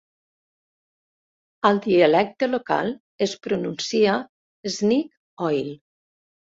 Al dialecte local es pronuncia "snig oil".